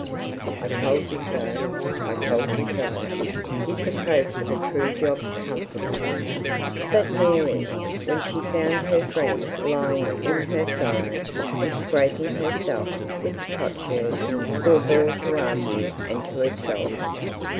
'I told you so! I told you so!' is the croak of a true Job's comforter. But Mary, when she found her friend lying in her sorrow and scraping herself with potsherds, forbore to argue and to exult.